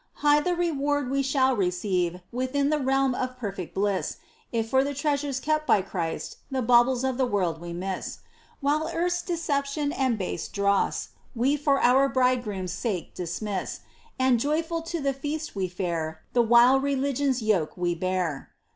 High the reward we shall receive Within the realm of perfect bliss If for the treasures kept by Christ The baubles of the world we miss, While earth's deceptions and base dross We for our Bridegroom's sake dismiss. And joyful to the feast we fare The while religion's yoke we bear.